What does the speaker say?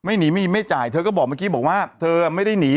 หนีไม่จ่ายเธอก็บอกเมื่อกี้บอกว่าเธอไม่ได้หนี